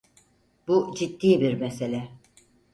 Bu ciddi bir mesele.